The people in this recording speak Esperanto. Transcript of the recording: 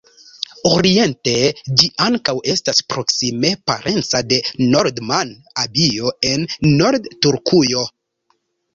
Oriente ĝi ankaŭ estas proksime parenca de Nordman-abio el norda Turkujo.